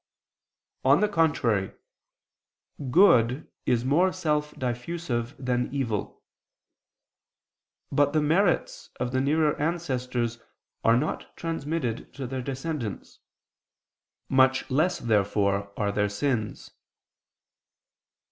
On the contrary, Good is more self diffusive than evil. But the merits of the nearer ancestors are not transmitted to their descendants. Much less therefore are their sins.